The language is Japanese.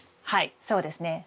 はいそうですね。